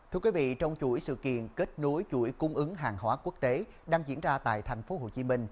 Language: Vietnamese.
thưa quý vị trong chuỗi sự kiện kết nối chuỗi cung ứng hàng hóa quốc tế đang diễn ra tại tp hcm